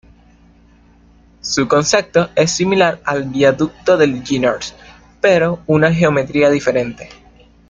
Su concepto es similar al viaducto de Llinars pero con una geometría diferente.